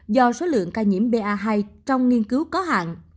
do số lượng ca nhiễm ba trong nghiên cứu có hạn